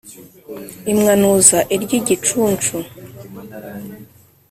imwanuza iry' igicuncu,